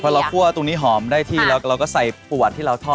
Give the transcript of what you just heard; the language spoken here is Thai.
พอเราคั่วตรงนี้หอมได้ที่แล้วเราก็ใส่ปวดที่เราทอด